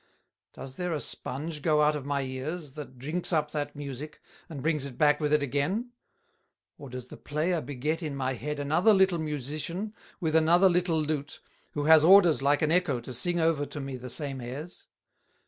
Does there a Sponge go out of my Ears, that drinks up that Musick, and brings it back with it again? Or does the Player beget in my Head another little Musician, with another little Lute, who has Orders like an Eccho to sing over to me the same Airs?